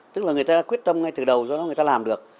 tức là người ta đã quyết tâm ngay từ đầu do đó người ta làm được